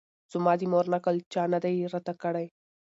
زما د مور نکل چا نه دی راته کړی